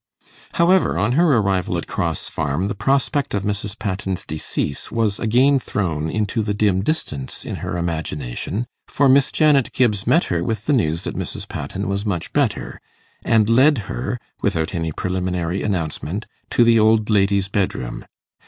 However, on her arrival at Cross Farm, the prospect of Mrs. Patten's decease was again thrown into the dim distance in her imagination, for Miss Janet Gibbs met her with the news that Mrs. Patten was much better, and led her, without any preliminary announcement, to the old lady's bedroom.